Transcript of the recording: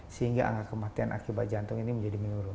sehingga angka kematian akibat jantung ini menjadi menurun